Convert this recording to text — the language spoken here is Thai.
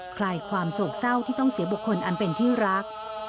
คลายความโศกเศร้าที่ต้องเสียบุคคลอันเป็นที่รัก